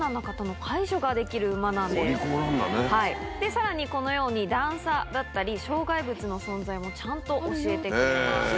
さらにこのように、段差だったり障害物の存在もちゃんと教えてくれます。